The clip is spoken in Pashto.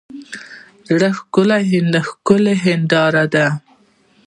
زړه د ښکلا هنداره ده.